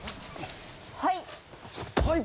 はい！